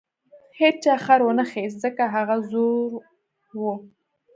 هیچا خر ونه خیست ځکه هغه زوړ و.